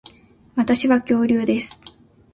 私は恐竜です